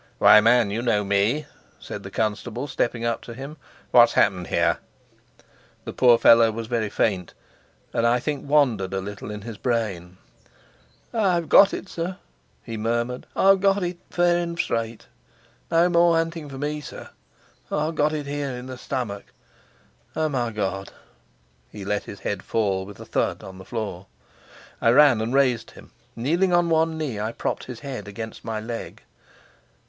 "Why, man, you know us," said the constable, stepping up to him. "What's happened here?" The poor fellow was very faint, and, I think, wandered a little in his brain. "I've got it, sir," he murmured; "I've got it, fair and straight. No more hunting for me, sir. I've got it here in the stomach. Oh, my God!" He let his head fall with a thud on the floor. I ran and raised him. Kneeling on one knee, I propped his head against my leg.